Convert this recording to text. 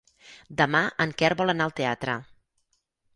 Demà en Quer vol anar al teatre.